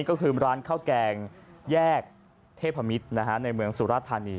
ก็คือร้านข้าวแกงแยกเทพมิตรในเมืองสุราธานี